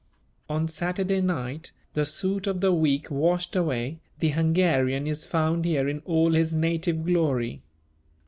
On Saturday night, the soot of the week washed away, the Hungarian is found here in all his native glory.